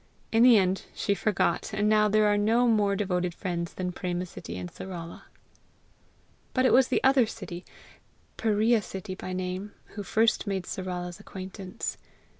In the end she forgot, and now there are no more devoted friends than Préma Sittie and Sarala. But it was the other Sittie, Piria Sittie by name,[D] who first made Sarala's acquaintance.